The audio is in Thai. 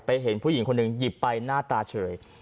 เห็นผู้หญิงคนหนึ่งหยิบไปหน้าตาเฉย